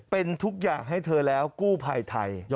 เป็นทุกอย่างให้เธอแล้วกู้ภัยไทย